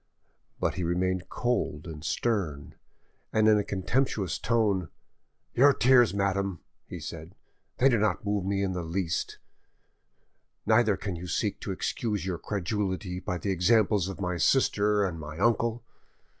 But he remained cold and stern, and in a contemptuous tone— "Your tears, madame," he said; "they do not move me in the least, neither can you seek to excuse your credulity by the examples of my sisters and my uncle.